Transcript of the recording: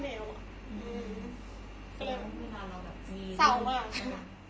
เมื่อเรากันตมติชอบมาก